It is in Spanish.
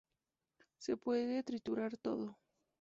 Se puede triturar todo.